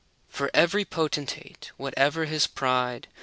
For every potentate, whatever his pride.